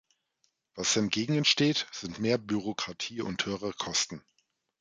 Was hingegen entsteht, sind mehr Bürokratie und höhere Kosten.